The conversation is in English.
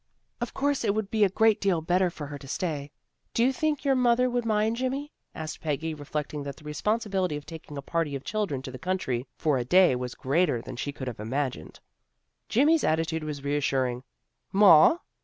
" Of course it would be a great deal better for her to stay. Do you think your mother would mind, Jimmy? " asked Peggy, reflecting that the responsibility of taking a party of children to the country for a day was greater than she could have imagined. Jimmy's atti tude was reassuring. " Ma!